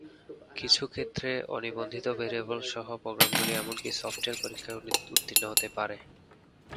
কিছু কিছু ক্ষেত্রে, অনিবন্ধিত ভেরিয়েবল সহ প্রোগ্রামগুলি এমনকি সফ্টওয়্যার পরীক্ষায় উত্তীর্ণ হতে পারে।